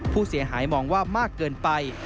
ผู้เสียหายมองว่ามากเกินไป